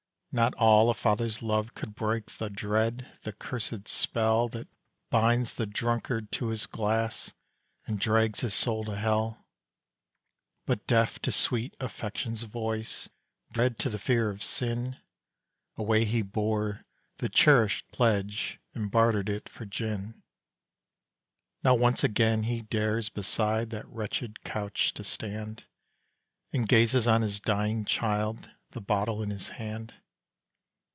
Not all a father's love could break The dread, the cursed spell That binds the drunkard to his glass, And drags his soul to hell. But deaf to sweet affection's voice, Dead to the fear of sin, Away he bore the cherished pledge And bartered it for gin. Now once again he dares beside That wretched couch to stand; And gazes on his dying child The bottle in his hand.